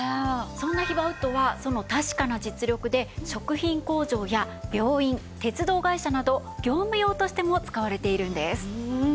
そんなヒバウッドはその確かな実力で食品工場や病院鉄道会社など業務用として使われているんです。